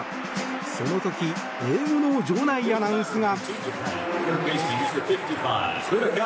その時英語の場内アナウンスが。